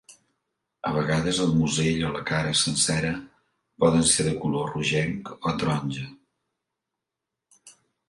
A vegades, el musell o la cara sencera poden ser de color rogenc o taronja.